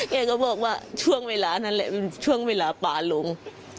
แกก็บอกว่าช่วงเวลานั้นแหละมันช่วงเวลาปลาลง